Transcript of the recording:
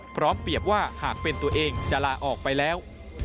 พร้อมเปรียบว่าหากเป็นตัวเองจะลาออกไปแล้ว